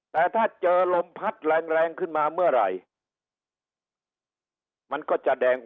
แต่ถ้าเจอลมพัดแรงแรงขึ้นมาเมื่อไหร่มันก็จะแดง